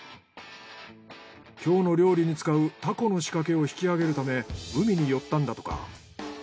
今日の料理に使うタコの仕掛けを引き揚げるため海に寄ったんだとか。